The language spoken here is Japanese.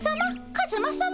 カズマさま？